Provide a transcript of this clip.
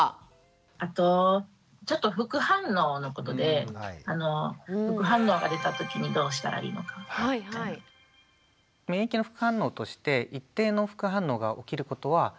あとちょっと副反応のことで免疫の副反応として一定の副反応が起きることはあります。